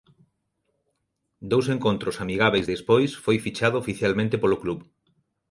Dous encontros amigábeis despois foi fichado oficialmente polo club.